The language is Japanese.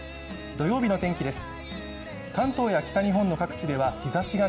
土曜日の天気です。